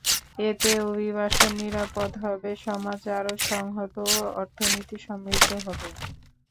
এতে অভিবাসন নিরাপদ হবে, সমাজ আরও সংহত ও অর্থনীতি সমৃদ্ধ হবে।